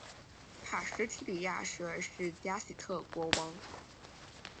卡什提里亚什二世加喜特国王。